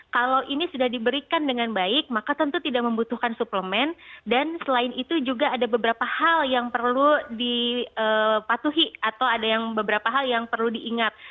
kalau ini sudah diberikan dengan baik maka tentu tidak membutuhkan suplemen dan selain itu juga ada beberapa hal yang perlu dipatuhi atau ada yang beberapa hal yang perlu diingat